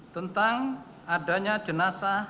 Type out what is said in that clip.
tentang adanya jenazah